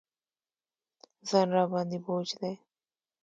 ځان راباندې بوج دی.